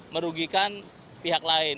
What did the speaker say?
merugikan pihak lain